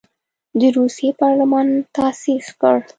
د روسیې پارلمان تاسیس کړ.